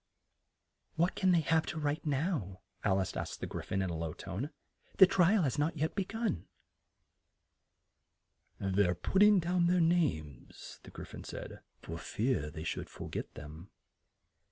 "What can they have to write now?" Al ice asked the Gry phon, in a low tone. "The tri al has not be gun yet." "They're put ting down their names," the Gry phon said, "for fear they should for get them."